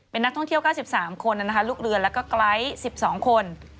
เป็นนักท่องเที่ยว๙๓คนลูกเรือแล้วก็ไกรท๑๒คน